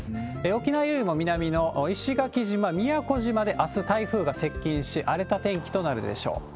沖縄よりも南の石垣島、宮古島で、あす、台風が接近し、荒れた天気となるでしょう。